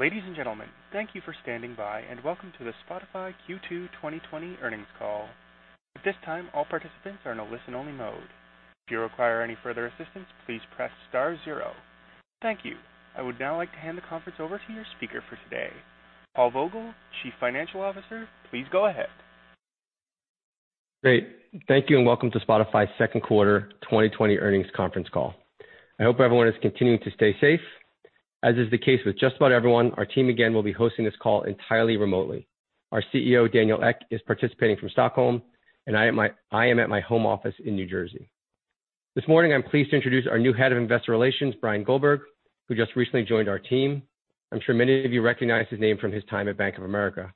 Ladies and gentlemen, thank you for standing by and welcome to the Spotify Q2 2020 earnings call. At this time, all participants are in a listen-only mode. If you require any further assistance, please press star zero. Thank you. I would now like to hand the conference over to your speaker for today, Paul Vogel, Chief Financial Officer. Please go ahead. Great. Thank you, and welcome to Spotify's second quarter 2020 earnings conference call. I hope everyone is continuing to stay safe. As is the case with just about everyone, our team again will be hosting this call entirely remotely. Our CEO, Daniel Ek, is participating from Stockholm, and I am at my home office in New Jersey. This morning, I am pleased to introduce our new Head of Investor Relations, Bryan Goldberg, who just recently joined our team. I am sure many of you recognize his name from his time at Bank of America.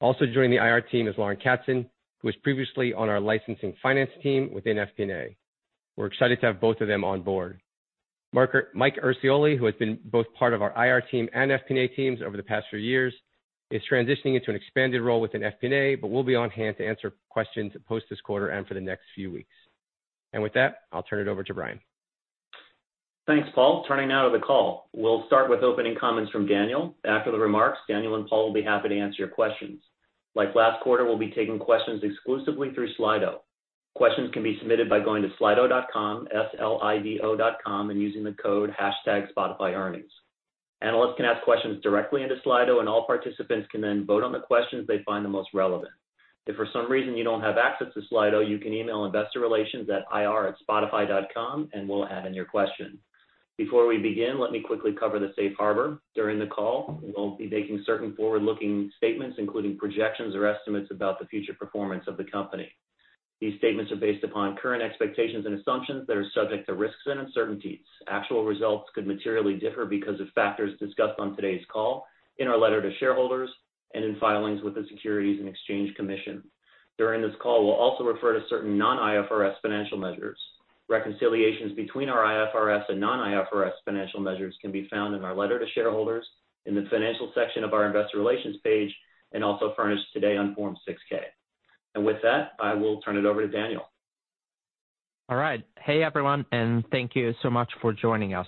Also joining the IR team is Lauren Katzen, who was previously on our licensing finance team within FP&A. We are excited to have both of them on board. Mike Urciuoli, who has been both part of our IR team and FP&A teams over the past few years, is transitioning into an expanded role within FP&A, but will be on hand to answer questions post this quarter and for the next few weeks. With that, I'll turn it over to Bryan. Thanks, Paul. Turning now to the call. We'll start with opening comments from Daniel. After the remarks, Daniel and Paul will be happy to answer your questions. Like last quarter, we'll be taking questions exclusively through Slido. Questions can be submitted by going to slido.com, S-L-I-D-O.com, and using the code #spotifyearnings. Analysts can ask questions directly into Slido, and all participants can then vote on the questions they find the most relevant. If for some reason you don't have access to Slido, you can email investor relations at ir@spotify.com and we'll add in your question. Before we begin, let me quickly cover the safe harbor. During the call, we'll be making certain forward-looking statements, including projections or estimates about the future performance of the company. These statements are based upon current expectations and assumptions that are subject to risks and uncertainties. Actual results could materially differ because of factors discussed on today's call, in our letter to shareholders, and in filings with the Securities and Exchange Commission. During this call, we will also refer to certain non-IFRS financial measures. Reconciliations between our IFRS and non-IFRS financial measures can be found in our letter to shareholders, in the financial section of our Investor Relations page, and also furnished today on Form 6-K. With that, I will turn it over to Daniel. All right. Hey, everyone, and thank you so much for joining us.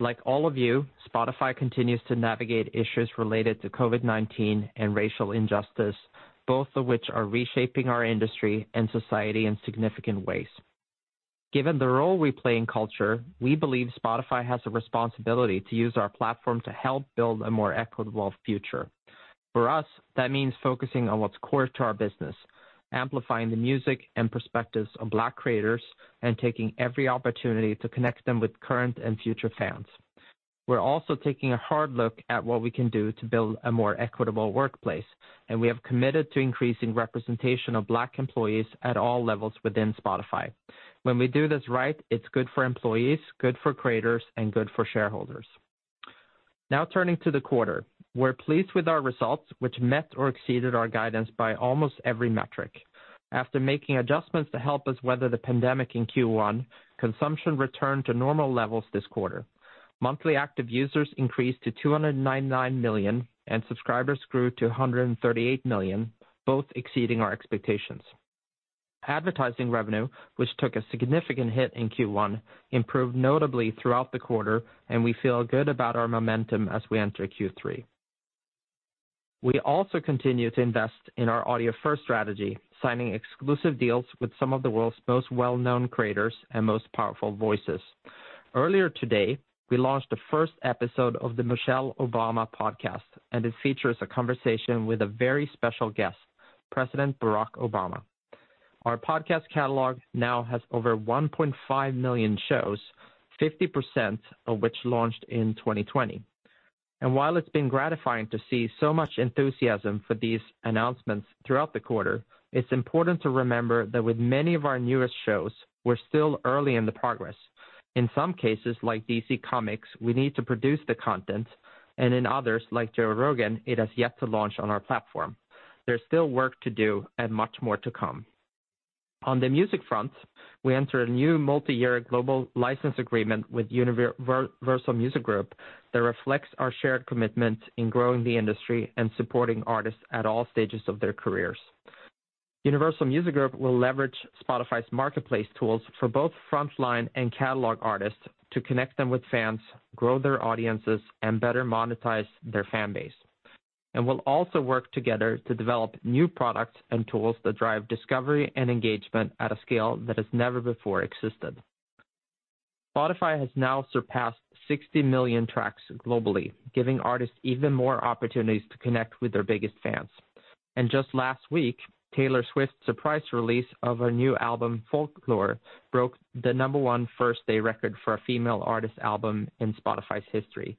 Like all of you, Spotify continues to navigate issues related to COVID-19 and racial injustice, both of which are reshaping our industry and society in significant ways. Given the role we play in culture, we believe Spotify has a responsibility to use our platform to help build a more equitable future. For us, that means focusing on what's core to our business, amplifying the music and perspectives of Black creators, and taking every opportunity to connect them with current and future fans. We're also taking a hard look at what we can do to build a more equitable workplace, and we have committed to increasing representation of Black employees at all levels within Spotify. When we do this right, it's good for employees, good for creators, and good for shareholders. Now turning to the quarter. We're pleased with our results, which met or exceeded our guidance by almost every metric. After making adjustments to help us weather the pandemic in Q1, consumption returned to normal levels this quarter. Monthly active users increased to 299 million, and subscribers grew to 138 million, both exceeding our expectations. Advertising revenue, which took a significant hit in Q1, improved notably throughout the quarter, and we feel good about our momentum as we enter Q3. We also continue to invest in our audio-first strategy, signing exclusive deals with some of the world's most well-known creators and most powerful voices. Earlier today, we launched the first episode of The Michelle Obama Podcast, and it features a conversation with a very special guest, President Barack Obama. Our podcast catalog now has over 1.5 million shows, 50% of which launched in 2020. While it's been gratifying to see so much enthusiasm for these announcements throughout the quarter, it's important to remember that with many of our newest shows, we're still early in the progress. In some cases, like DC Comics, we need to produce the content, and in others, like Joe Rogan, it has yet to launch on our platform. There's still work to do and much more to come. On the music front, we entered a new multi-year global license agreement with Universal Music Group that reflects our shared commitment in growing the industry and supporting artists at all stages of their careers. Universal Music Group will leverage Spotify's marketplace tools for both frontline and catalog artists to connect them with fans, grow their audiences, and better monetize their fan base. We'll also work together to develop new products and tools that drive discovery and engagement at a scale that has never before existed. Spotify has now surpassed 60 million tracks globally, giving artists even more opportunities to connect with their biggest fans. Just last week, Taylor Swift's surprise release of her new album, "Folklore," broke the number one first-day record for a female artist album in Spotify's history.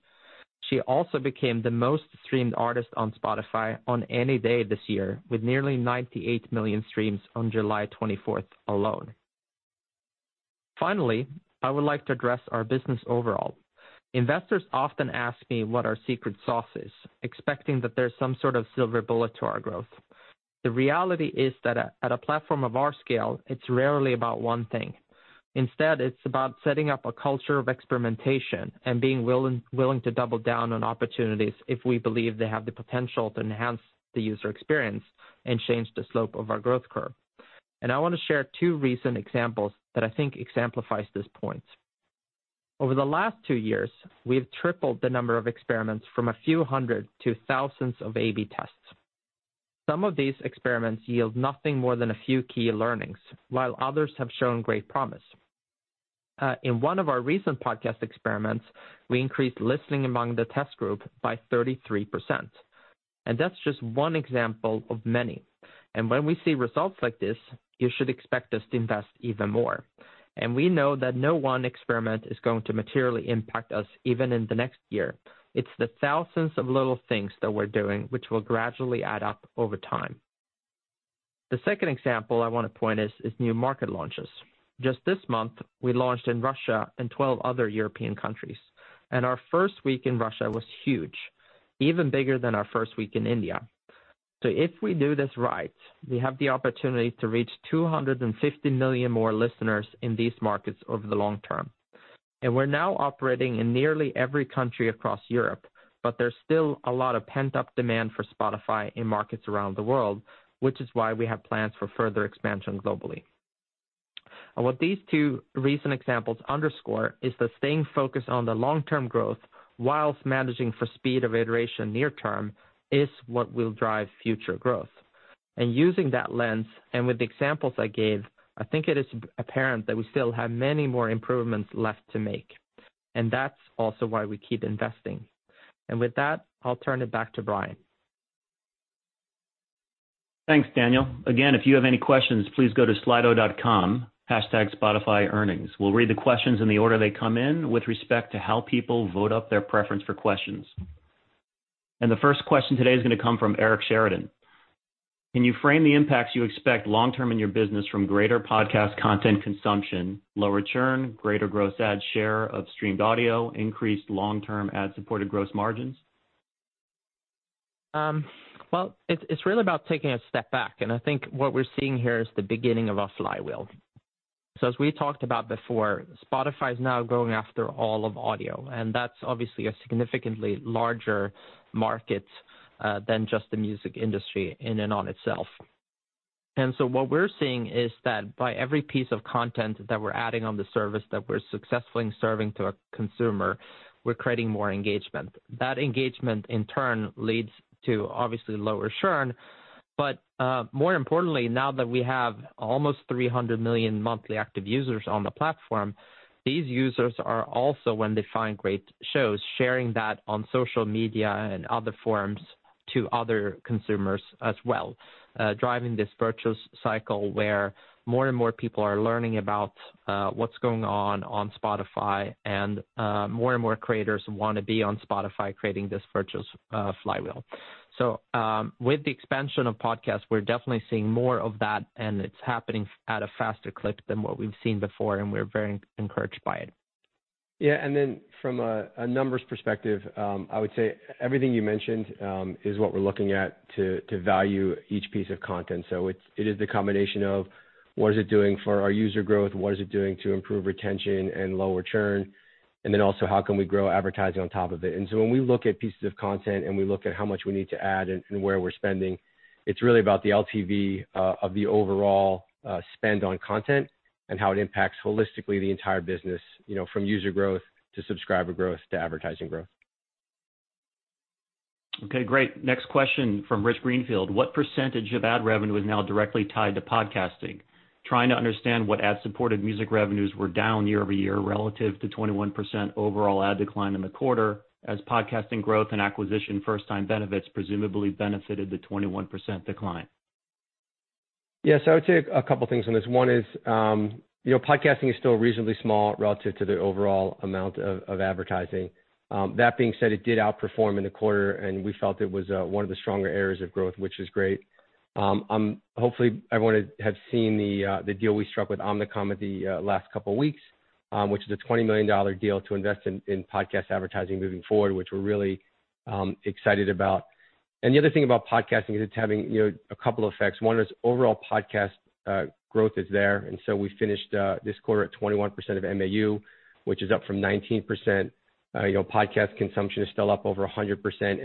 She also became the most streamed artist on Spotify on any day this year, with nearly 98 million streams on July 24th alone. Finally, I would like to address our business overall. Investors often ask me what our secret sauce is, expecting that there's some sort of silver bullet to our growth. The reality is that at a platform of our scale, it's rarely about one thing. Instead, it's about setting up a culture of experimentation and being willing to double down on opportunities if we believe they have the potential to enhance the user experience and change the slope of our growth curve. I want to share two recent examples that I think exemplifies this point. Over the last two years, we've tripled the number of experiments from a few hundred to thousands of A/B tests. Some of these experiments yield nothing more than a few key learnings, while others have shown great promise. In one of our recent podcast experiments, we increased listening among the test group by 33%, and that's just one example of many. When we see results like this, you should expect us to invest even more. We know that no one experiment is going to materially impact us even in the next year. It's the thousands of little things that we're doing which will gradually add up over time. The second example I want to point is new market launches. Just this month, we launched in Russia and 12 other European countries, and our first week in Russia was huge, even bigger than our first week in India. If we do this right, we have the opportunity to reach 250 million more listeners in these markets over the long term. We're now operating in nearly every country across Europe, but there's still a lot of pent-up demand for Spotify in markets around the world, which is why we have plans for further expansion globally. What these two recent examples underscore is that staying focused on the long-term growth whilst managing for speed of iteration near term, is what will drive future growth. Using that lens, and with the examples I gave, I think it is apparent that we still have many more improvements left to make, and that's also why we keep investing. With that, I'll turn it back to Bryan. Thanks, Daniel. Again, if you have any questions, please go to slido.com, #spotifyearnings. We'll read the questions in the order they come in with respect to how people vote up their preference for questions. The first question today is going to come from Eric Sheridan. Can you frame the impacts you expect long term in your business from greater podcast content consumption, lower churn, greater gross ad share of streamed audio, increased long-term ad-supported gross margins? Well, it's really about taking a step back, and I think what we're seeing here is the beginning of a flywheel. As we talked about before, Spotify is now going after all of audio, and that's obviously a significantly larger market than just the music industry in and on itself. What we're seeing is that by every piece of content that we're adding on the service that we're successfully serving to a consumer, we're creating more engagement. That engagement, in turn, leads to obviously lower churn. More importantly, now that we have almost 300 million monthly active users on the platform, these users are also, when they find great shows, sharing that on social media and other forums to other consumers as well, driving this virtuous cycle where more and more people are learning about what's going on on Spotify and more and more creators want to be on Spotify creating this virtuous flywheel. With the expansion of podcasts, we're definitely seeing more of that and it's happening at a faster clip than what we've seen before, and we're very encouraged by it. Yeah, from a numbers perspective, I would say everything you mentioned is what we're looking at to value each piece of content. It is the combination of what is it doing for our user growth, what is it doing to improve retention and lower churn, and then also how can we grow advertising on top of it. When we look at pieces of content and we look at how much we need to add and where we're spending, it's really about the LTV of the overall spend on content and how it impacts holistically the entire business, from user growth to subscriber growth to advertising growth. Okay, great. Next question from Rich Greenfield. What percentage of ad revenue is now directly tied to podcasting? Trying to understand what ad-supported music revenues were down year-over-year relative to 21% overall ad decline in the quarter as podcasting growth and acquisition first-time benefits presumably benefited the 21% decline. Yes. I would say a couple things on this. One is, podcasting is still reasonably small relative to the overall amount of advertising. That being said, it did outperform in the quarter, and we felt it was one of the stronger areas of growth, which is great. Hopefully, everyone has seen the deal we struck with Omnicom at the last couple weeks, which is a $20 million deal to invest in podcast advertising moving forward, which we're really excited about. The other thing about podcasting is it's having a couple effects. One is overall podcast growth is there, and so we finished this quarter at 21% of MAU, which is up from 19%. Podcast consumption is still up over 100%,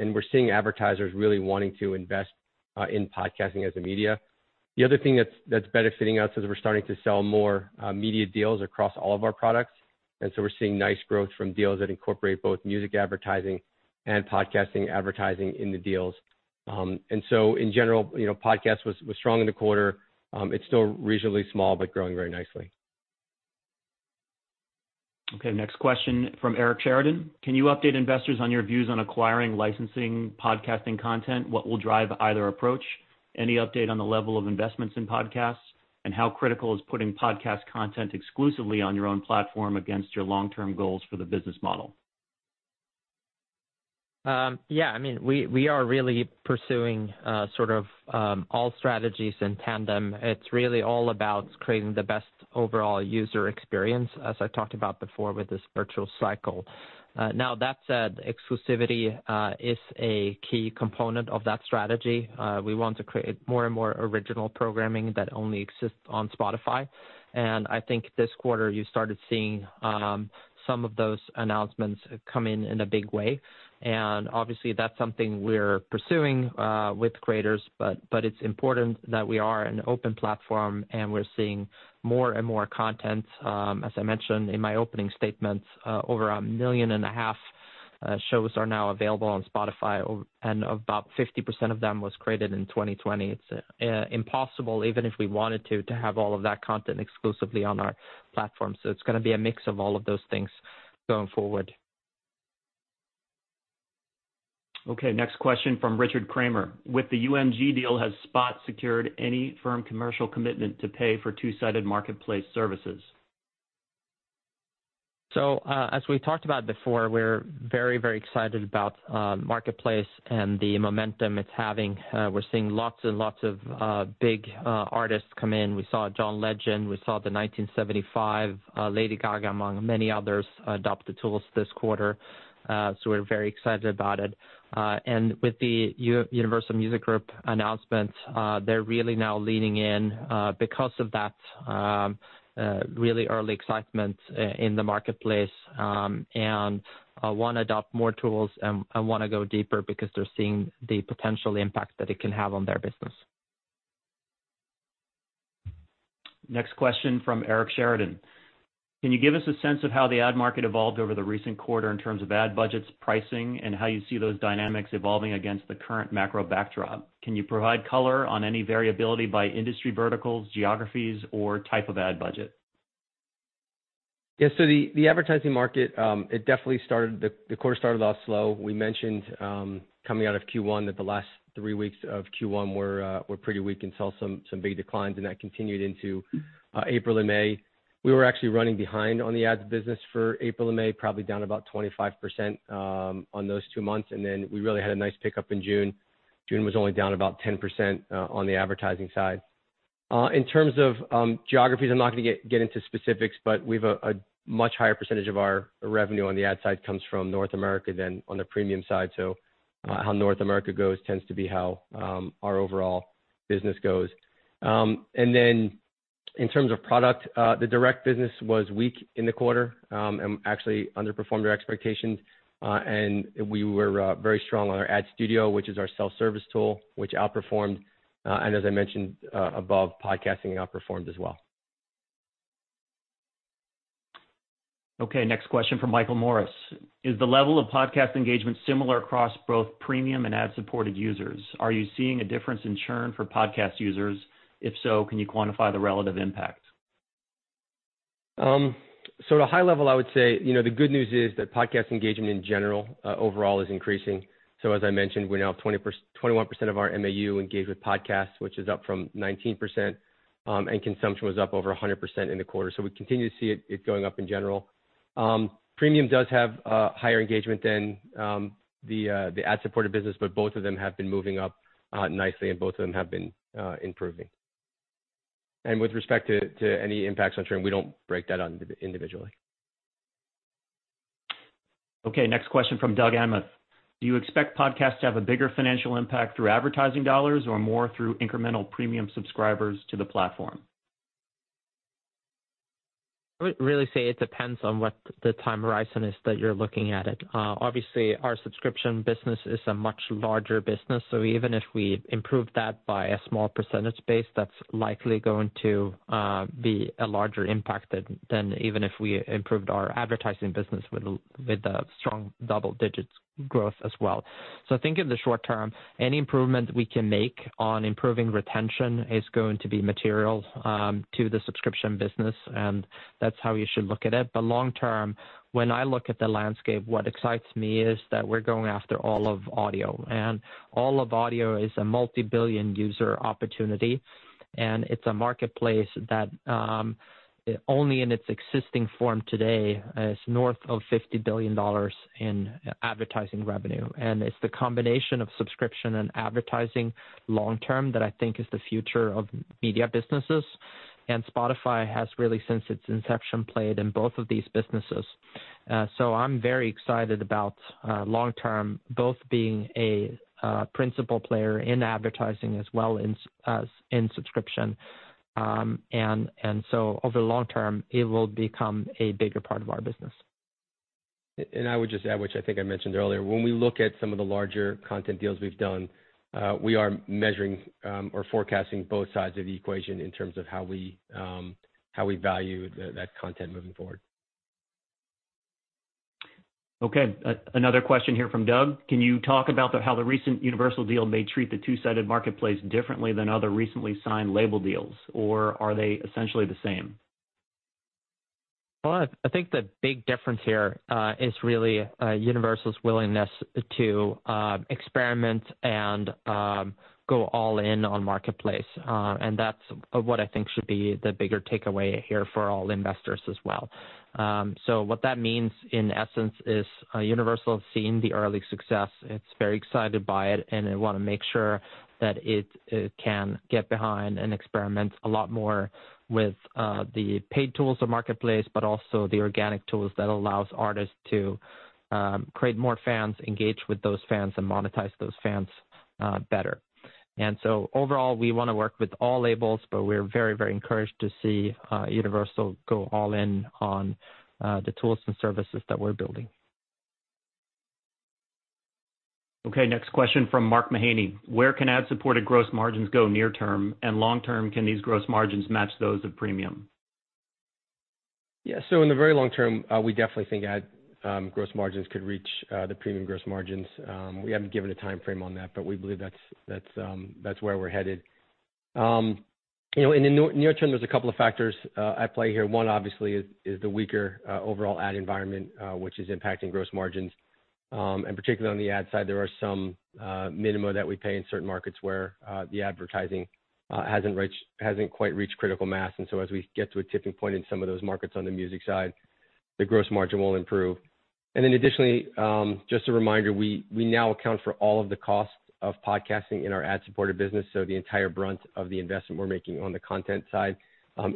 and we're seeing advertisers really wanting to invest in podcasting as a media. The other thing that's benefiting us is we're starting to sell more media deals across all of our products. We're seeing nice growth from deals that incorporate both music advertising and podcast advertising in the deals. In general, podcasts was strong in the quarter. It's still reasonably small, but growing very nicely. Okay, next question from Eric Sheridan. Can you update investors on your views on acquiring licensing podcasting content? What will drive either approach? Any update on the level of investments in podcasts? How critical is putting podcast content exclusively on your own platform against your long-term goals for the business model? Yeah. We are really pursuing sort of all strategies in tandem. It's really all about creating the best overall user experience, as I talked about before with this virtuous cycle. Now that said, exclusivity is a key component of that strategy. We want to create more and more original programming that only exists on Spotify. I think this quarter you started seeing some of those announcements come in in a big way. Obviously, that's something we're pursuing with creators, but it's important that we are an open platform and we're seeing more and more content. As I mentioned in my opening statement, over 1.5 million shows are now available on Spotify, and about 50% of them was created in 2020. It's impossible, even if we wanted to have all of that content exclusively on our platform. It's going to be a mix of all of those things going forward. Okay, next question from Richard Kramer. With the UMG deal, has Spotify secured any firm commercial commitment to pay for two-sided marketplace services? As we talked about before, we're very, very excited about marketplace and the momentum it's having. We're seeing lots and lots of big artists come in. We saw John Legend, we saw The 1975, Lady Gaga, among many others, adopt the tools this quarter. We're very excited about it. With the Universal Music Group announcement, they're really now leaning in because of that really early excitement in the marketplace and want to adopt more tools and want to go deeper because they're seeing the potential impact that it can have on their business. Next question from Eric Sheridan. Can you give us a sense of how the ad market evolved over the recent quarter in terms of ad budgets, pricing, and how you see those dynamics evolving against the current macro backdrop? Can you provide color on any variability by industry verticals, geographies, or type of ad budget? Yes. The advertising market, the quarter started off slow. We mentioned coming out of Q1 that the last three weeks of Q1 were pretty weak and saw some big declines, and that continued into April and May. We were actually running behind on the ads business for April and May, probably down about 25% on those two months. We really had a nice pickup in June. June was only down about 10% on the advertising side. In terms of geographies, I'm not going to get into specifics, but we've a much higher percentage of our revenue on the ad side comes from North America than on the premium side. How North America goes tends to be how our overall business goes. In terms of product, the direct business was weak in the quarter, and actually underperformed our expectations. We were very strong on our Ad Studio, which is our self-service tool, which outperformed. As I mentioned above, podcasting outperformed as well. Next question from Michael Morris. Is the level of podcast engagement similar across both premium and ad-supported users? Are you seeing a difference in churn for podcast users? If so, can you quantify the relative impact? At a high level, I would say the good news is that podcast engagement in general, overall, is increasing. As I mentioned, we're now at 21% of our MAU engage with podcasts, which is up from 19%, and consumption was up over 100% in the quarter. We continue to see it going up in general. Premium does have higher engagement than the ad-supported business, but both of them have been moving up nicely and both of them have been improving. With respect to any impacts on churn, we don't break that out individually. Okay, next question from Doug Anmuth. Do you expect podcasts to have a bigger financial impact through advertising dollars or more through incremental premium subscribers to the platform? I would really say it depends on what the time horizon is that you're looking at it. Obviously, our subscription business is a much larger business, so even if we improve that by a small percentage base, that's likely going to be a larger impact than even if we improved our advertising business with a strong double-digits growth as well. Think in the short term, any improvement we can make on improving retention is going to be material to the subscription business, and that's how you should look at it. Long term, when I look at the landscape, what excites me is that we're going after all of audio, and all of audio is a multi-billion user opportunity. It's a marketplace that only in its existing form today is north of $50 billion in advertising revenue. It's the combination of subscription and advertising long term that I think is the future of media businesses. Spotify has really, since its inception, played in both of these businesses. I'm very excited about long term, both being a principal player in advertising as well as in subscription. Over the long term, it will become a bigger part of our business. I would just add, which I think I mentioned earlier, when we look at some of the larger content deals we've done, we are measuring or forecasting both sides of the equation in terms of how we value that content moving forward. Okay. Another question here from Doug. Can you talk about how the recent Universal deal may treat the two-sided marketplace differently than other recently signed label deals, or are they essentially the same? Well, I think the big difference here is really Universal's willingness to experiment and go all in on marketplace. That's what I think should be the bigger takeaway here for all investors as well. What that means, in essence, is Universal has seen the early success. It's very excited by it, and they want to make sure that it can get behind and experiment a lot more with the paid tools of marketplace, but also the organic tools that allows artists to create more fans, engage with those fans, and monetize those fans better. Overall, we want to work with all labels, but we're very, very encouraged to see Universal go all in on the tools and services that we're building. Okay, next question from Mark Mahaney. Where can ad-supported gross margins go near term, and long term, can these gross margins match those of premium? Yeah. In the very long term, we definitely think ad gross margins could reach the premium gross margins. We haven't given a timeframe on that, but we believe that's where we're headed. In the near term, there's a couple of factors at play here. One, obviously, is the weaker overall ad environment, which is impacting gross margins. Particularly on the ad side, there are some minima that we pay in certain markets where the advertising hasn't quite reached critical mass. As we get to a tipping point in some of those markets on the music side, the gross margin will improve. Additionally, just a reminder, we now account for all of the costs of podcasting in our ad-supported business. The entire brunt of the investment we're making on the content side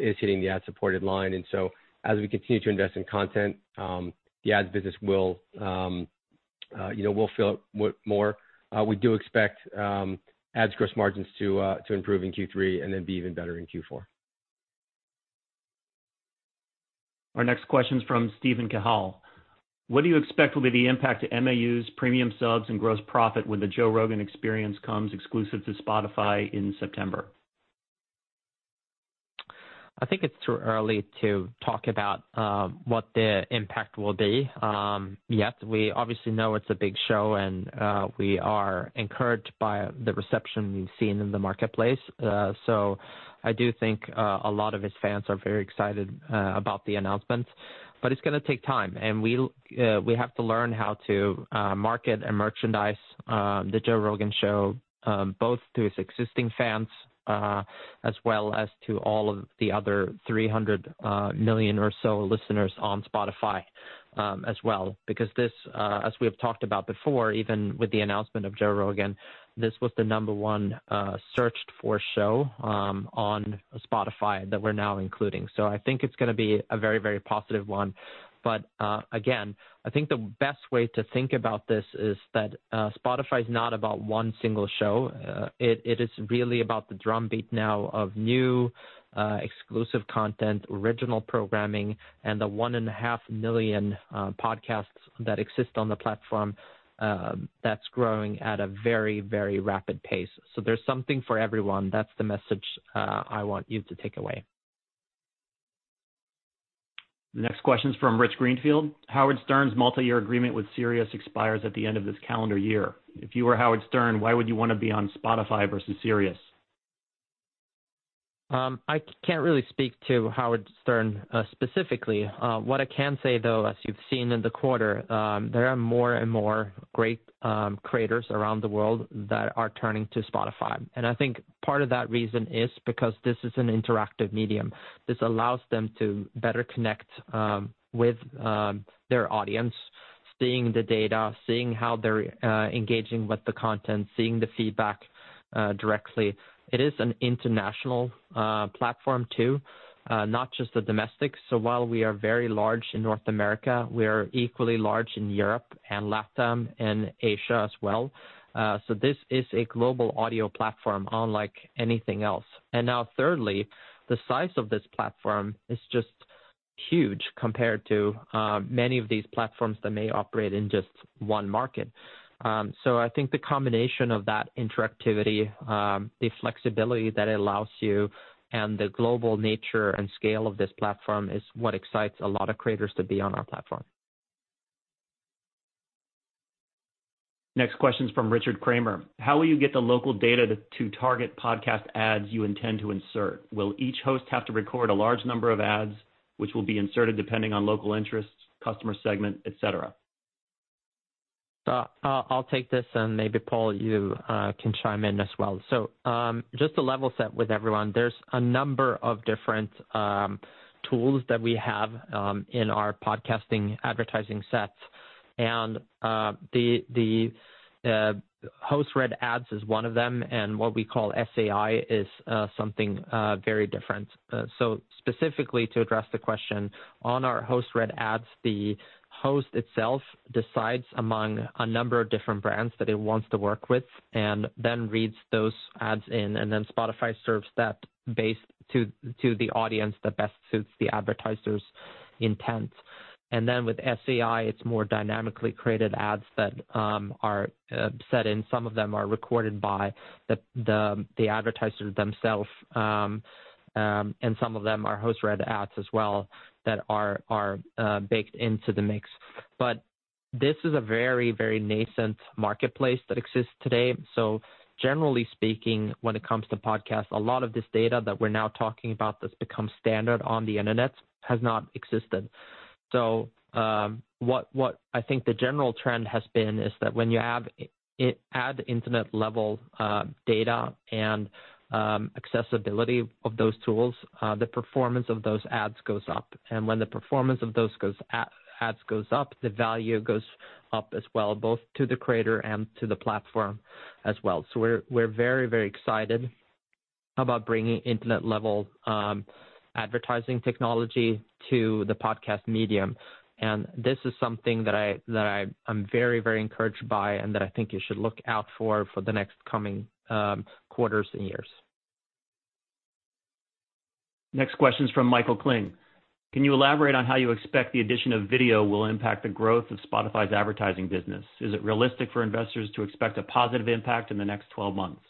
is hitting the ad-supported line. As we continue to invest in content, the ads business will fill out more. We do expect ads gross margins to improve in Q3 and then be even better in Q4. Our next question is from Steven Cahall. What do you expect will be the impact to MAUs, premium subs, and gross profit when "The Joe Rogan Experience" comes exclusive to Spotify in September? I think it's too early to talk about what the impact will be. We obviously know it's a big show. We are encouraged by the reception we've seen in the marketplace. I do think a lot of his fans are very excited about the announcement. It's going to take time. We have to learn how to market and merchandise The Joe Rogan show, both to his existing fans, as well as to all of the other 300 million or so listeners on Spotify as well. This, as we have talked about before, even with the announcement of Joe Rogan, this was the number one searched for show on Spotify that we're now including. I think it's going to be a very positive one. Again, I think the best way to think about this is that Spotify is not about one single show. It is really about the drumbeat now of new, exclusive content, original programming, and the 1.5 million podcasts that exist on the platform that's growing at a very rapid pace. There's something for everyone. That's the message I want you to take away. The next question's from Rich Greenfield. Howard Stern's multi-year agreement with SiriusXM expires at the end of this calendar year. If you were Howard Stern, why would you want to be on Spotify versus SiriusXM? I can't really speak to Howard Stern specifically. What I can say, though, as you've seen in the quarter, there are more and more great creators around the world that are turning to Spotify. I think part of that reason is because this is an interactive medium. This allows them to better connect with their audience, seeing the data, seeing how they're engaging with the content, seeing the feedback directly. It is an international platform too, not just the domestic. While we are very large in North America, we are equally large in Europe and LATAM and Asia as well. This is a global audio platform unlike anything else. Now thirdly, the size of this platform is just huge compared to many of these platforms that may operate in just one market. I think the combination of that interactivity, the flexibility that it allows you, and the global nature and scale of this platform is what excites a lot of creators to be on our platform. Next question is from Richard Kramer. How will you get the local data to target podcast ads you intend to insert? Will each host have to record a large number of ads which will be inserted depending on local interests, customer segment, et cetera? I'll take this, and maybe Paul, you can chime in as well. Just to level set with everyone, there's a number of different tools that we have in our podcasting advertising sets. The host-read ads is one of them, and what we call SAI is something very different. Specifically to address the question, on our host-read ads, the host itself decides among a number of different brands that it wants to work with and then reads those ads in, and then Spotify serves that base to the audience that best suits the advertiser's intent. With SAI, it's more dynamically created ads that are set in. Some of them are recorded by the advertiser themself. Some of them are host-read ads as well that are baked into the mix. This is a very, very nascent marketplace that exists today. Generally speaking, when it comes to podcasts, a lot of this data that we're now talking about that's become standard on the internet has not existed. What I think the general trend has been is that when you add internet-level data and accessibility of those tools, the performance of those ads goes up. When the performance of those ads goes up, the value goes up as well, both to the creator and to the platform as well. We're very excited about bringing internet-level advertising technology to the podcast medium. This is something that I'm very encouraged by and that I think you should look out for the next coming quarters and years. Next question's from [Michael Kling]. Can you elaborate on how you expect the addition of video will impact the growth of Spotify's advertising business? Is it realistic for investors to expect a positive impact in the next 12 months?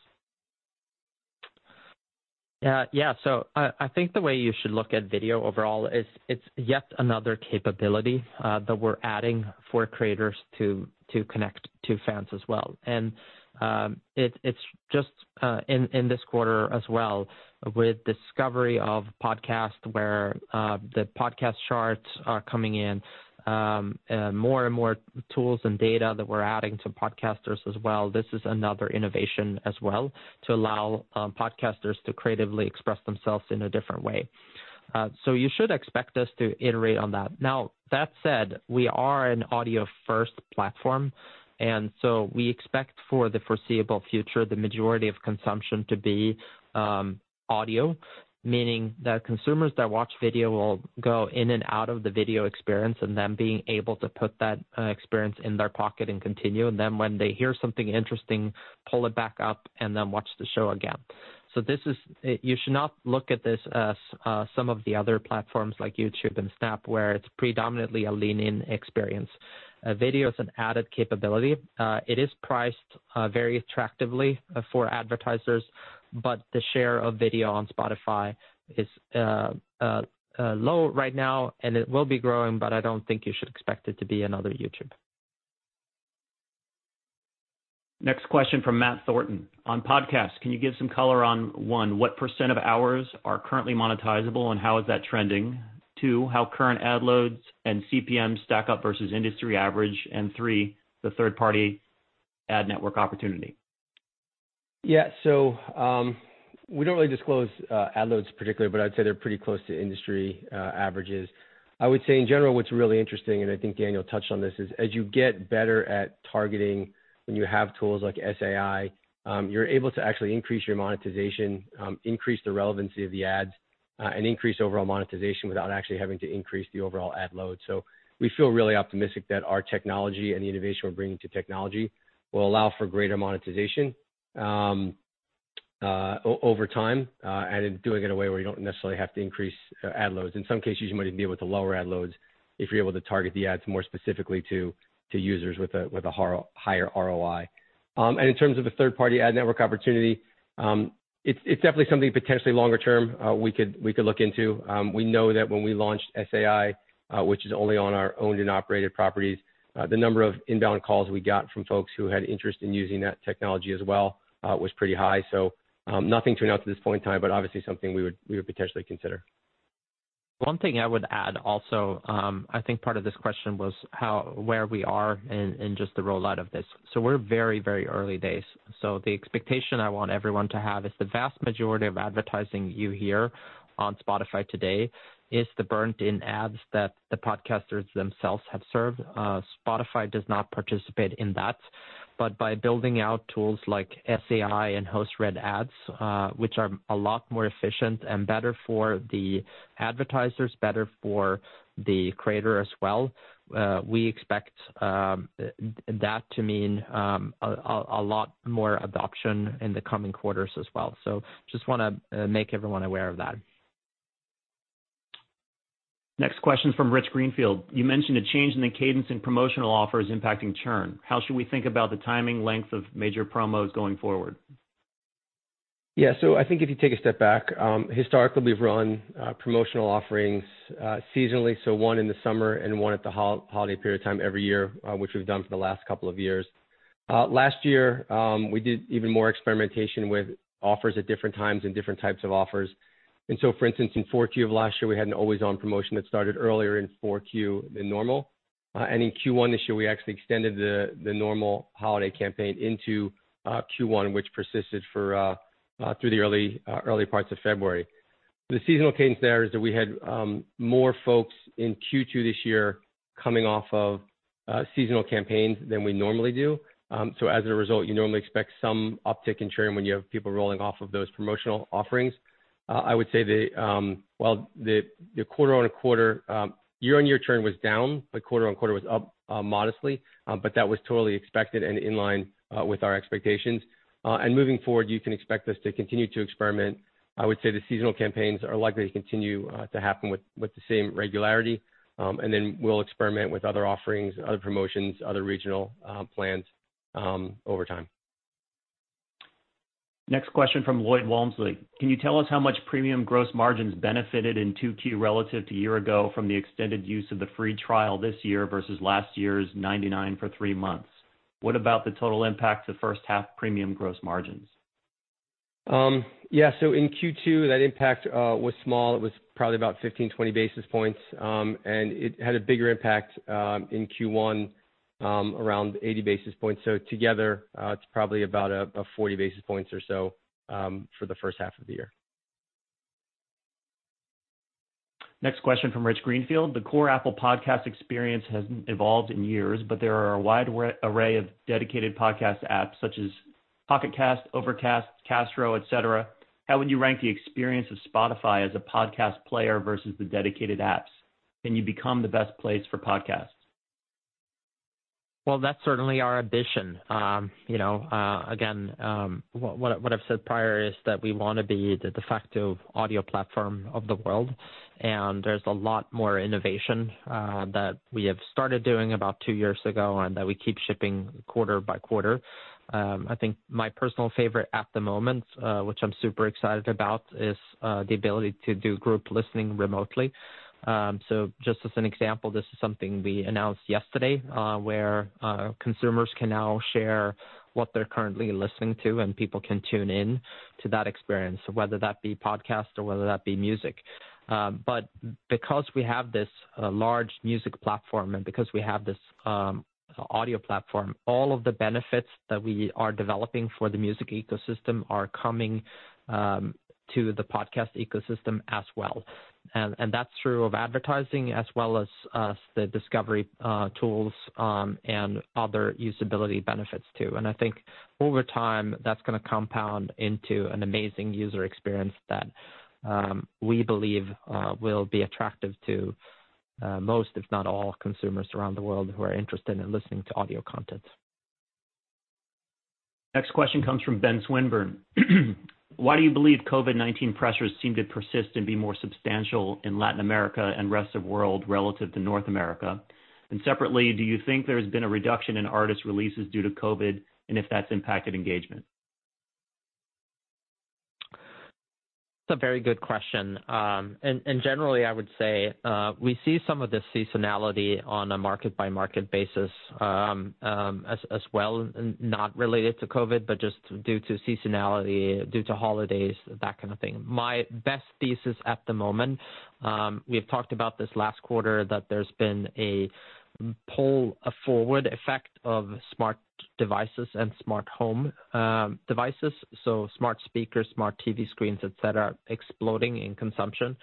I think the way you should look at video overall is it's yet another capability that we're adding for creators to connect to fans as well. It's just in this quarter as well with discovery of podcasts where the podcast charts are coming in, more and more tools and data that we're adding to podcasters as well. This is another innovation as well to allow podcasters to creatively express themselves in a different way. You should expect us to iterate on that. Now, that said, we are an audio-first platform, and so we expect for the foreseeable future, the majority of consumption to be audio, meaning that consumers that watch video will go in and out of the video experience and then being able to put that experience in their pocket and continue. Then when they hear something interesting, pull it back up and then watch the show again. You should not look at this as some of the other platforms like YouTube and Snap, where it's predominantly a lean-in experience. Video is an added capability. It is priced very attractively for advertisers, but the share of video on Spotify is low right now, and it will be growing, but I don't think you should expect it to be another YouTube. Next question from Matt Thornton. On podcasts, can you give some color on, one, what percent of hours are currently monetizable and how is that trending? Two, how current ad loads and CPM stack up versus industry average? Three, the third-party ad network opportunity. Yeah. We don't really disclose ad loads particularly, but I'd say they're pretty close to industry averages. I would say in general, what's really interesting, and I think Daniel touched on this, is as you get better at targeting when you have tools like SAI, you're able to actually increase your monetization, increase the relevancy of the ads, and increase overall monetization without actually having to increase the overall ad load. We feel really optimistic that our technology and the innovation we're bringing to technology will allow for greater monetization over time, and in doing it in a way where you don't necessarily have to increase ad loads. In some cases, you might even be able to lower ad loads if you're able to target the ads more specifically to users with a higher ROI. In terms of a third-party ad network opportunity, it's definitely something potentially longer term we could look into. We know that when we launched SAI, which is only on our owned and operated properties, the number of inbound calls we got from folks who had interest in using that technology as well was pretty high. Nothing to announce at this point in time, but obviously something we would potentially consider. One thing I would add also, I think part of this question was where we are in just the rollout of this. We're very early days. The expectation I want everyone to have is the vast majority of advertising you hear on Spotify today is the burnt-in ads that the podcasters themselves have served. Spotify does not participate in that, but by building out tools like SAI and host-read ads, which are a lot more efficient and better for the advertisers, better for the creator as well, we expect that to mean a lot more adoption in the coming quarters as well. Just want to make everyone aware of that. Next question from Rich Greenfield. You mentioned a change in the cadence in promotional offers impacting churn. How should we think about the timing length of major promos going forward? Yeah. I think if you take a step back, historically, we've run promotional offerings seasonally, one in the summer and one at the holiday period of time every year, which we've done for the last couple of years. Last year, we did even more experimentation with offers at different times and different types of offers. For instance, in 4Q of last year, we had an always-on promotion that started earlier in 4Q than normal. In Q1 this year, we actually extended the normal holiday campaign into Q1, which persisted through the early parts of February. The seasonal cadence there is that we had more folks in Q2 this year coming off of seasonal campaigns than we normally do. As a result, you normally expect some uptick in churn when you have people rolling off of those promotional offerings. I would say that while the year-on-year churn was down, quarter-on-quarter was up modestly. That was totally expected and in line with our expectations. Moving forward, you can expect us to continue to experiment. I would say the seasonal campaigns are likely to continue to happen with the same regularity. We'll experiment with other offerings, other promotions, other regional plans over time. Next question from Lloyd Walmsley. Can you tell us how much premium gross margins benefited in Q2 relative to a year ago from the extended use of the free trial this year versus last year's $0.99 for three months? What about the total impact to first half premium gross margins? Yeah. In Q2, that impact was small. It was probably about 15-20 basis points. It had a bigger impact in Q1, around 80 basis points. Together, it's probably about a 40 basis points or so for the first half of the year. Next question from Rich Greenfield. The core Apple Podcasts experience has evolved in years, but there are a wide array of dedicated podcast apps such as Pocket Casts, Overcast, Castro, et cetera. How would you rank the experience of Spotify as a podcast player versus the dedicated apps? Can you become the best place for podcasts? Well, that's certainly our addition. Again, what I've said prior is that we want to be the de facto audio platform of the world, and there's a lot more innovation that we have started doing about two years ago and that we keep shipping quarter by quarter. I think my personal favorite at the moment, which I'm super excited about, is the ability to do group listening remotely. Just as an example, this is something we announced yesterday, where consumers can now share what they're currently listening to, and people can tune in to that experience, whether that be podcast or whether that be music. Because we have this large music platform and because we have this audio platform, all of the benefits that we are developing for the music ecosystem are coming to the podcast ecosystem as well. That's true of advertising as well as the discovery tools, and other usability benefits, too. I think over time, that's going to compound into an amazing user experience that we believe will be attractive to most, if not all, consumers around the world who are interested in listening to audio content. Next question comes from Ben Swinburne. Why do you believe COVID-19 pressures seem to persist and be more substantial in Latin America and rest of world relative to North America? Separately, do you think there's been a reduction in artist releases due to COVID, and if that's impacted engagement? That's a very good question. Generally, I would say, we see some of the seasonality on a market-by-market basis as well, not related to COVID-19, but just due to seasonality, due to holidays, that kind of thing. My best thesis at the moment, we've talked about this last quarter, that there's been a pull-forward effect of smart devices and smart home devices, so smart speakers, smart TV screens, et cetera, exploding in consumption.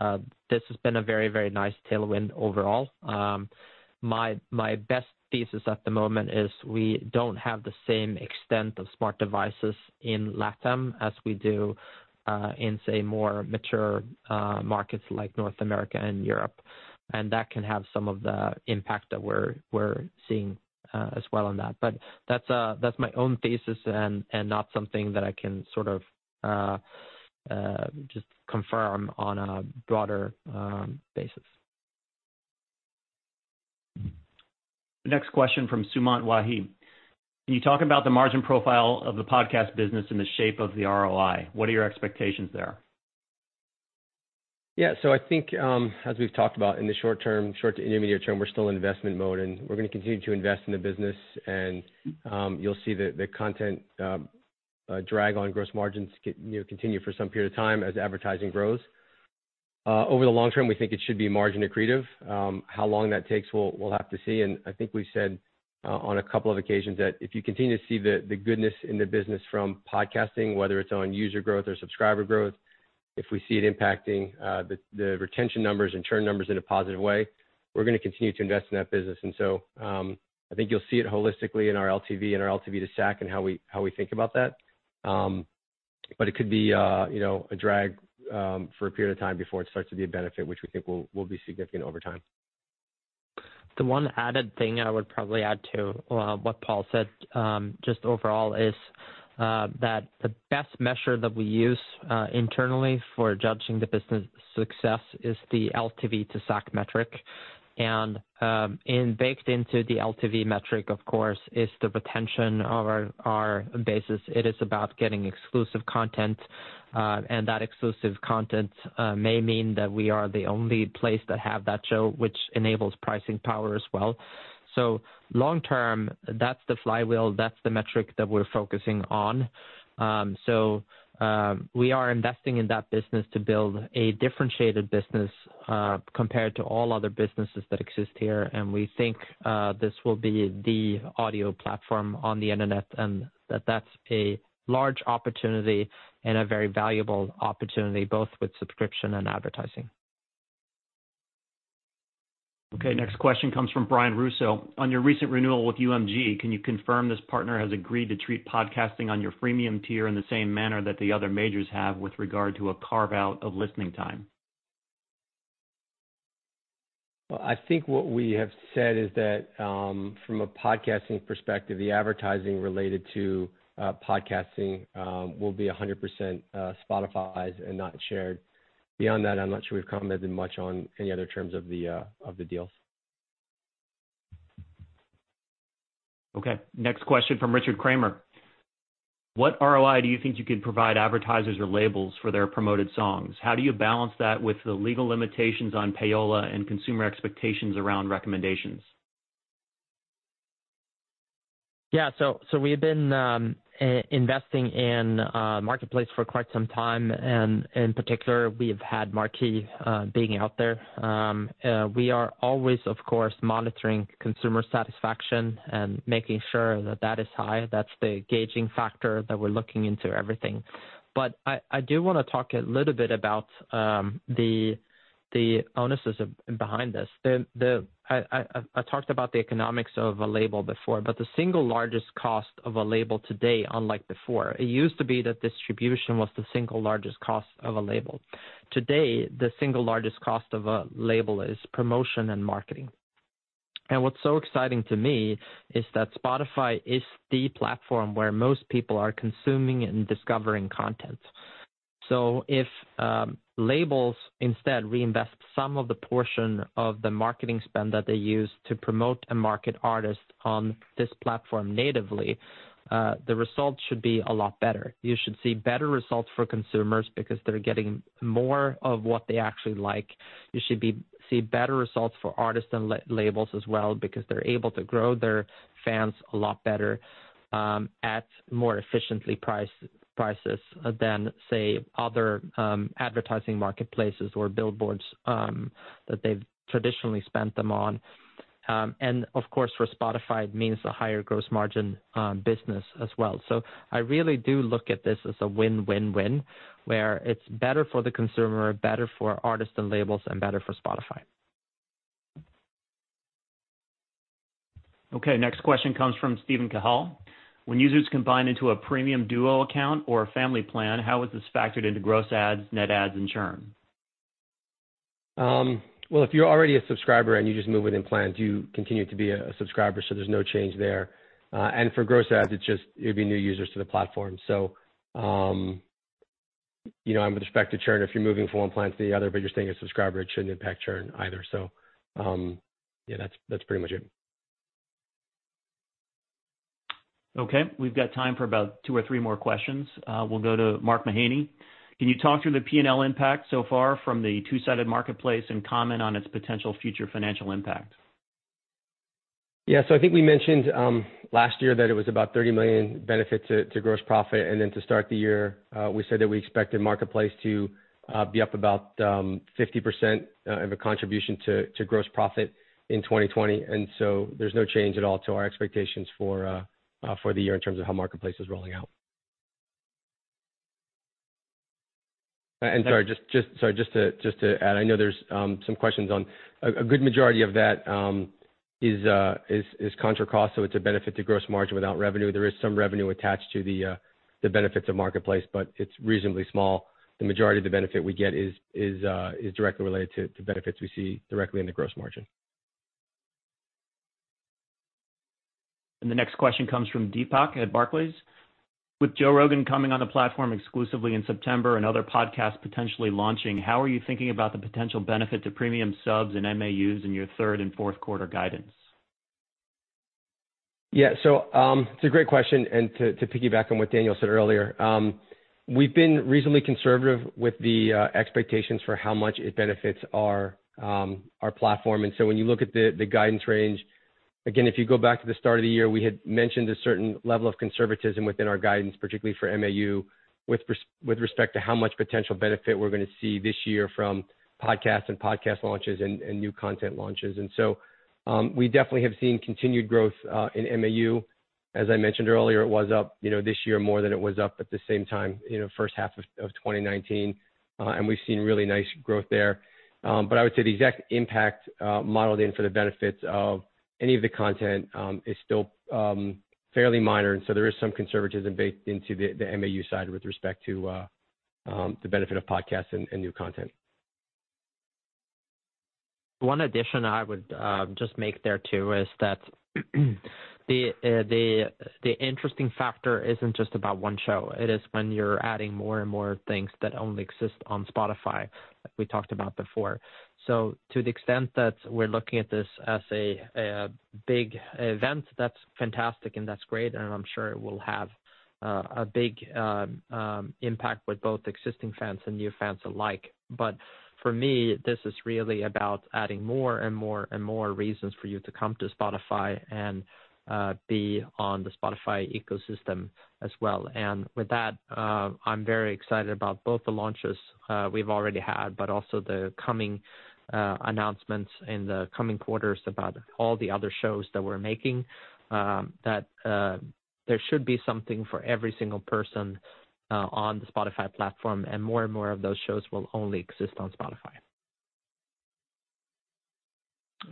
This has been a very nice tailwind overall. My best thesis at the moment is we don't have the same extent of smart devices in LATAM as we do in, say, more mature markets like North America and Europe. That can have some of the impact that we're seeing as well on that. That's my own thesis and not something that I can sort of just confirm on a broader basis. The next question from Sumant Wahi. Can you talk about the margin profile of the podcast business and the shape of the ROI? What are your expectations there? Yeah. I think, as we've talked about in the short term, short to intermediate term, we're still in investment mode, and we're going to continue to invest in the business. You'll see the content drag on gross margins continue for some period of time as advertising grows. Over the long term, we think it should be margin accretive. How long that takes, we'll have to see. I think we said on a couple of occasions that if you continue to see the goodness in the business from podcasting, whether it's on user growth or subscriber growth, if we see it impacting the retention numbers and churn numbers in a positive way, we're going to continue to invest in that business. I think you'll see it holistically in our LTV and our LTV to SAC and how we think about that. It could be a drag for a period of time before it starts to be a benefit, which we think will be significant over time. The one added thing I would probably add to what Paul said, just overall, is that the best measure that we use internally for judging the business success is the LTV to SAC metric. Baked into the LTV metric, of course, is the retention of our bases. It is about getting exclusive content, and that exclusive content may mean that we are the only place that have that show, which enables pricing power as well. Long term, that's the flywheel, that's the metric that we're focusing on. We are investing in that business to build a differentiated business, compared to all other businesses that exist here. We think this will be the audio platform on the internet, and that that's a large opportunity and a very valuable opportunity, both with subscription and advertising. Okay. Next question comes from Brian Russo. On your recent renewal with UMG, can you confirm this partner has agreed to treat podcasting on your freemium tier in the same manner that the other majors have with regard to a carve-out of listening time? Well, I think what we have said is that, from a podcasting perspective, the advertising related to podcasting will be 100% Spotify's and not shared. Beyond that, I'm not sure we've commented much on any other terms of the deals. Okay. Next question from Richard Kramer. What ROI do you think you could provide advertisers or labels for their promoted songs? How do you balance that with the legal limitations on payola and consumer expectations around recommendations? Yeah. We've been investing in marketplace for quite some time, and in particular, we have had Marquee being out there. We are always, of course, monitoring consumer satisfaction and making sure that that is high. That's the gauging factor that we're looking into everything. I do want to talk a little bit about the onuses behind this. I talked about the economics of a label before, but the single largest cost of a label today, unlike before, it used to be that distribution was the single largest cost of a label. Today, the single largest cost of a label is promotion and marketing. What's so exciting to me is that Spotify is the platform where most people are consuming and discovering content. If labels instead reinvest some of the portion of the marketing spend that they use to promote and market artists on this platform natively, the results should be a lot better. You should see better results for consumers because they're getting more of what they actually like. You should see better results for artists and labels as well, because they're able to grow their fans a lot better, at more efficient prices than, say, other advertising marketplaces or billboards that they've traditionally spent them on. Of course, for Spotify, it means a higher gross margin business as well. I really do look at this as a win-win-win, where it's better for the consumer, better for artists and labels, and better for Spotify. Okay, next question comes from Steven Cahall. When users combine into a premium dual account or a family plan, how is this factored into gross adds, net adds, and churn? Well, if you're already a subscriber and you just move within plans, you continue to be a subscriber, so there's no change there. For gross adds, it'd be new users to the platform. With respect to churn, if you're moving from one plan to the other, but you're staying a subscriber, it shouldn't impact churn either. Yeah, that's pretty much it. Okay, we've got time for about two or three more questions. We'll go to Mark Mahaney. Can you talk through the P&L impact so far from the two-sided marketplace and comment on its potential future financial impact? Yeah. I think we mentioned last year that it was about $30 million benefit to gross profit. To start the year, we said that we expected marketplace to be up about 50% of a contribution to gross profit in 2020. There's no change at all to our expectations for the year in terms of how marketplace is rolling out. Sorry, just to add, I know there's some questions on a good majority of that is contra cost, so it's a benefit to gross margin without revenue. There is some revenue attached to the benefits of marketplace, but it's reasonably small. The majority of the benefit we get is directly related to benefits we see directly in the gross margin. The next question comes from Deepak at Barclays. With Joe Rogan coming on the platform exclusively in September and other podcasts potentially launching, how are you thinking about the potential benefit to premium subs and MAUs in your third and fourth quarter guidance? Yeah. It's a great question. To piggyback on what Daniel said earlier, we've been reasonably conservative with the expectations for how much it benefits our platform. When you look at the guidance range, again, if you go back to the start of the year, we had mentioned a certain level of conservatism within our guidance, particularly for MAU, with respect to how much potential benefit we're going to see this year from podcasts and podcast launches and new content launches. We definitely have seen continued growth, in MAU. As I mentioned earlier, it was up this year more than it was up at the same time in the first half of 2019. We've seen really nice growth there. I would say the exact impact modeled in for the benefits of any of the content, is still fairly minor. There is some conservatism baked into the MAU side with respect to the benefit of podcasts and new content. One addition I would just make there too is that the interesting factor isn't just about one show. It is when you're adding more and more things that only exist on Spotify, like we talked about before. To the extent that we're looking at this as a big event, that's fantastic and that's great, and I'm sure it will have a big impact with both existing fans and new fans alike. For me, this is really about adding more and more and more reasons for you to come to Spotify and be on the Spotify ecosystem as well. With that, I'm very excited about both the launches we've already had, but also the coming announcements in the coming quarters about all the other shows that we're making, that there should be something for every single person on the Spotify platform. More and more of those shows will only exist on Spotify.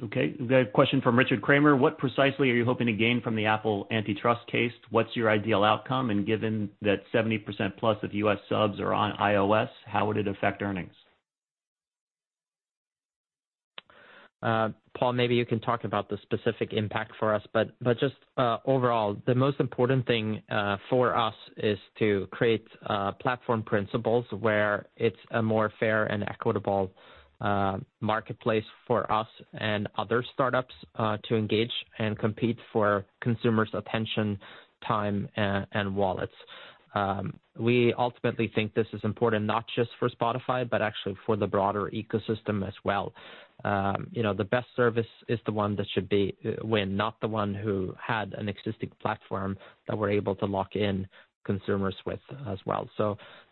Okay. We've got a question from Richard Kramer. What precisely are you hoping to gain from the Apple antitrust case? What's your ideal outcome? Given that 70%+ of U.S. subs are on iOS, how would it affect earnings? Paul, maybe you can talk about the specific impact for us, but just overall, the most important thing for us is to create platform principles where it's a more fair and equitable marketplace for us and other startups to engage and compete for consumers' attention, time, and wallets. We ultimately think this is important not just for Spotify, but actually for the broader ecosystem as well. The best service is the one that should win, not the one who had an existing platform that we're able to lock in consumers with as well.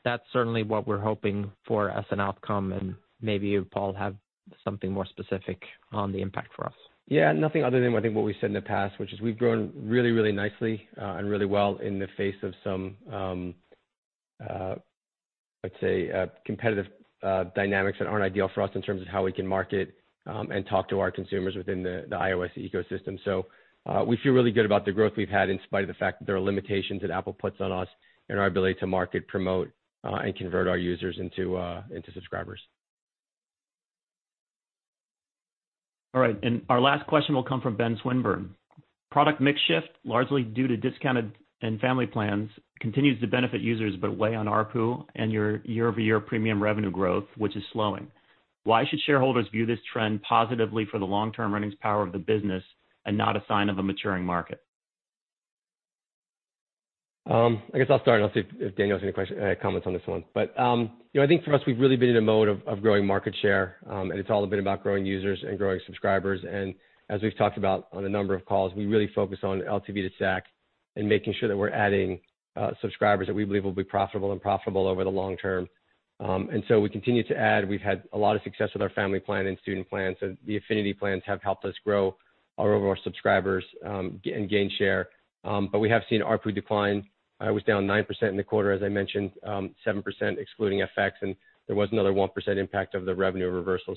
That's certainly what we're hoping for as an outcome, and maybe you, Paul, have something more specific on the impact for us. Yeah, nothing other than I think what we've said in the past, which is we've grown really nicely, and really well in the face of some, let's say, competitive dynamics that aren't ideal for us in terms of how we can market and talk to our consumers within the iOS ecosystem. We feel really good about the growth we've had in spite of the fact that there are limitations that Apple puts on us and our ability to market, promote, and convert our users into subscribers. All right. Our last question will come from Ben Swinburne. Product mix shift, largely due to discounted and family plans, continues to benefit users but weigh on ARPU and your year-over-year premium revenue growth, which is slowing. Why should shareholders view this trend positively for the long-term earnings power of the business and not a sign of a maturing market? I guess I'll start and I'll see if Daniel has any comments on this one. I think for us, we've really been in a mode of growing market share, and it's all been about growing users and growing subscribers. As we've talked about on a number of calls, we really focus on LTV to SAC and making sure that we're adding subscribers that we believe will be profitable and profitable over the long term. We continue to add. We've had a lot of success with our family plan and student plan. The affinity plans have helped us grow our overall subscribers, and gain share. We have seen ARPU decline. It was down 9% in the quarter, as I mentioned, 7% excluding FX, and there was another 1% impact of the revenue reversal.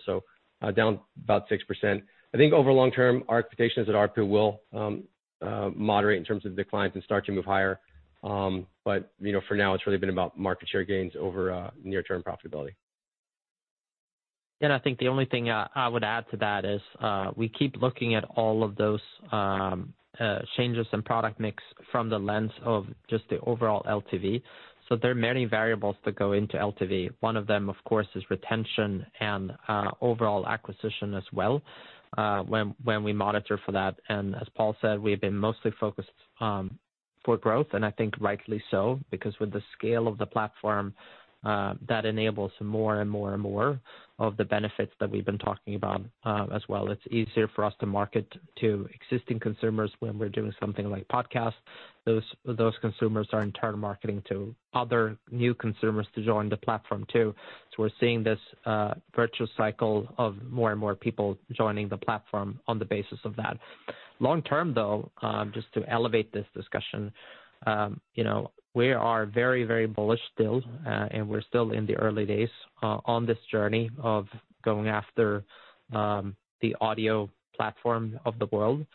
Down about 6%. I think over long term, our expectation is that ARPU will moderate in terms of declines and start to move higher. For now, it's really been about market share gains over near-term profitability. I think the only thing I would add to that is, we keep looking at all of those changes in product mix from the lens of just the overall LTV. There are many variables that go into LTV. One of them, of course, is retention and overall acquisition as well, when we monitor for that. As Paul said, we have been mostly focused for growth, and I think rightly so, because with the scale of the platform, that enables more and more of the benefits that we've been talking about as well. It's easier for us to market to existing consumers when we're doing something like podcasts. Those consumers are in turn marketing to other new consumers to join the platform too. We're seeing this virtuous cycle of more and more people joining the platform on the basis of that. Long term, though, just to elevate this discussion, we are very bullish still, and we're still in the early days on this journey of going after the audio platform of the world.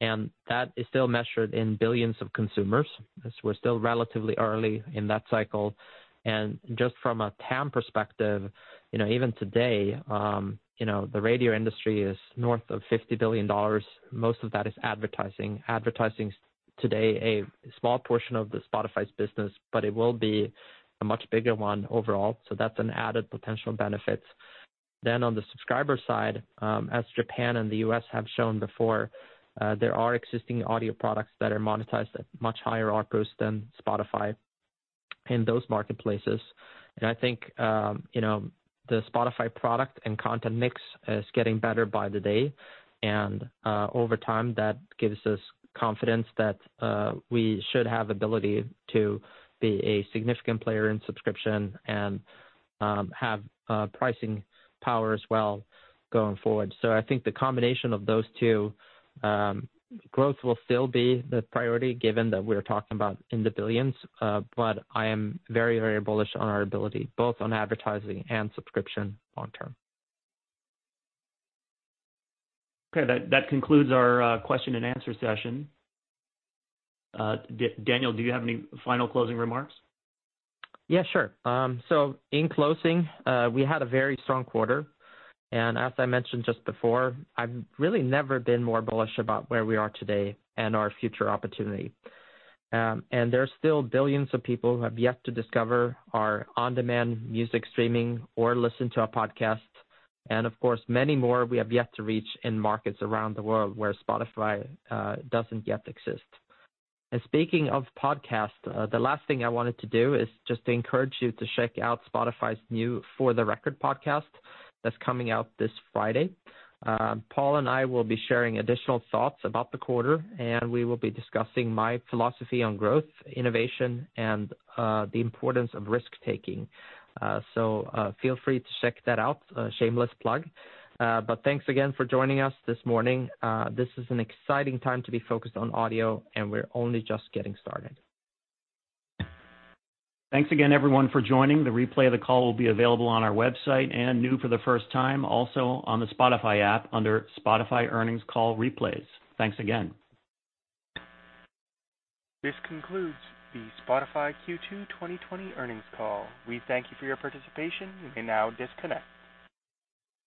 That is still measured in billions of consumers, as we're still relatively early in that cycle. Just from a TAM perspective, even today, the radio industry is north of $50 billion. Most of that is advertising. Advertising's today a small portion of the Spotify's business, but it will be a much bigger one overall. That's an added potential benefit. On the subscriber side, as Japan and the U.S. have shown before, there are existing audio products that are monetized at much higher ARPUs than Spotify in those marketplaces. I think the Spotify product and content mix is getting better by the day. Over time, that gives us confidence that we should have ability to be a significant player in subscription and have pricing power as well going forward. I think the combination of those two, growth will still be the priority given that we're talking about in the billions. I am very bullish on our ability, both on advertising and subscription long term. Okay. That concludes our question and answer session. Daniel, do you have any final closing remarks? Yeah, sure. In closing, we had a very strong quarter. As I mentioned just before, I've really never been more bullish about where we are today and our future opportunity. There are still billions of people who have yet to discover our on-demand music streaming or listen to a podcast. Of course, many more we have yet to reach in markets around the world where Spotify doesn't yet exist. Speaking of podcasts, the last thing I wanted to do is just to encourage you to check out Spotify's new Spotify: For the Record podcast that's coming out this Friday. Paul and I will be sharing additional thoughts about the quarter, and we will be discussing my philosophy on growth, innovation, and the importance of risk-taking. Feel free to check that out. Shameless plug. Thanks again for joining us this morning. This is an exciting time to be focused on audio, and we're only just getting started. Thanks again, everyone, for joining. The replay of the call will be available on our website and new for the first time, also on the Spotify app under Spotify Earnings Call Replays. Thanks again. This concludes the Spotify Q2 2020 earnings call. We thank you for your participation. You may now disconnect.